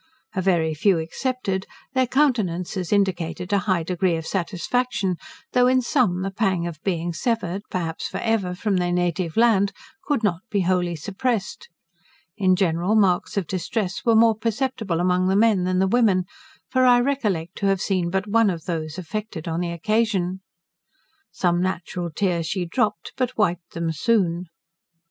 A very few excepted, their countenances indicated a high degree of satisfaction, though in some, the pang of being severed, perhaps for ever, from their native land, could not be wholly suppressed; in general, marks of distress were more perceptible among the men than the women; for I recollect to have seen but one of those affected on the occasion, "Some natural tears she dropp'd, but wip'd them soon."